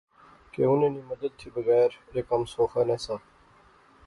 کہ انیں نی مدد تھی بغیر ایہہ کم سوخا نہسا